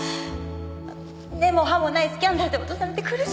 根も葉もないスキャンダルで脅されて苦しんでるのよ。